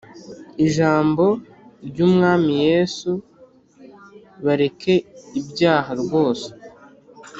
ijambo ry'umwami yesu, bareke ibyaha rwose.